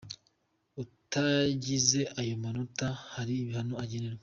Utagize ayo manota hari ibihano agenerwa.